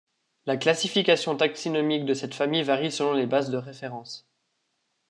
La classification taxinomique de cette famille varie selon les bases de référence.